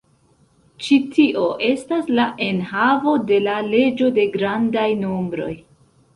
Ĉi tio estas la enhavo de la leĝo de grandaj nombroj.